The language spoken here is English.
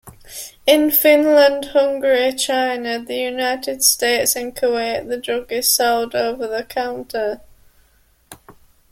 In Finland, Hungary, China, The United States and Kuwait the drug is sold over-the-counter.